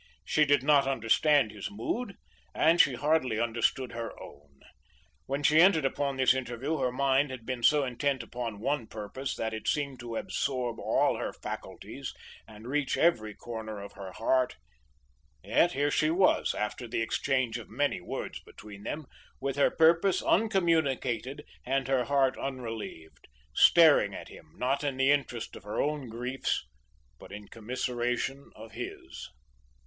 She did not understand his mood; and she hardly understood her own. When she entered upon this interview, her mind had been so intent upon one purpose that it seemed to absorb all her faculties and reach every corner of her heart; yet here she was, after the exchange of many words between them, with her purpose uncommunicated and her heart unrelieved, staring at him not in the interest of her own griefs, but in commiseration of his.